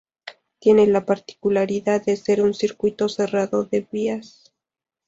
Tiene la particularidad de ser un circuito cerrado de vías.